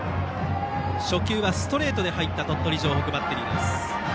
初球はストレートで入った鳥取城北バッテリー。